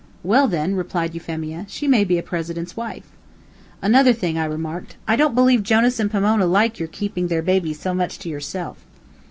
"Well then," replied Euphemia, "she may be a president's wife." "Another thing," I remarked, "I don't believe Jonas and Pomona like your keeping their baby so much to yourself."